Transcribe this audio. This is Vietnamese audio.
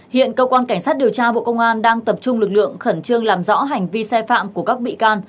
hiện cơ quan cảnh sát điều tra bộ công an đang tập trung lực lượng khẩn trương làm rõ hành vi sai phạm của các bị can